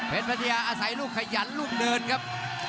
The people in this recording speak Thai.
เป็นพัทยาอาศัยลูกขยันลูกเดินครับ